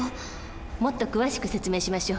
もっと詳しく説明しましょう。